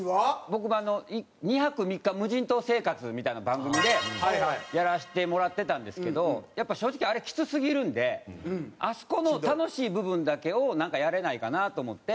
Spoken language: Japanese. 僕も２泊３日無人島生活みたいな番組でやらせてもらってたんですけどやっぱ正直あれきつすぎるんであそこの楽しい部分だけをなんかやれないかなと思って。